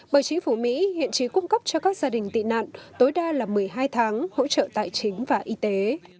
bởi chính phủ mỹ hiện trí cung cấp cho các gia đình tị nạn tối đa là một mươi hai tháng hỗ trợ tài chính và y tế